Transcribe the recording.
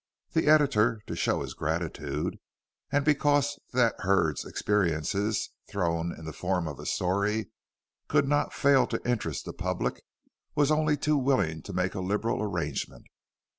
The editor, to show his gratitude, and because that Hurd's experiences, thrown into the form of a story, could not fail to interest the public, was only too willing to make a liberal arrangement.